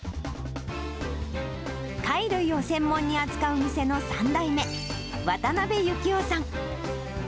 貝類を専門に扱う店の店の３代目、渡辺幸雄さん。